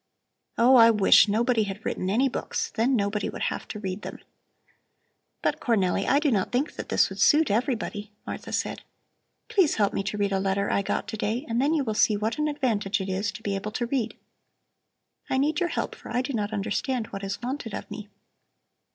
Oh, I wish nobody had written any books, then nobody would have to read them." "But Cornelli, I do not think that this would suit everybody," Martha said. "Please help me to read a letter I got to day, and then you will see what an advantage it is to be able to read. I need your help, for I do not understand what is wanted of me."